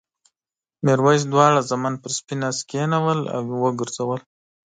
میرويس دواړه زامن پر سپین آس کېنول او وګرځول.